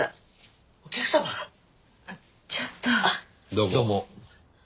どうも。